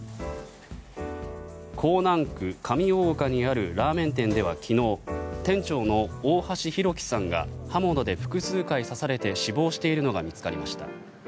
港南区上大岡にあるラーメン店では昨日店長の大橋弘輝さんが刃物で複数回刺されて死亡しているのが見つかりました。